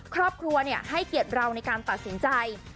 ครอบครัวให้เกียรติเราในการตัดสินใจ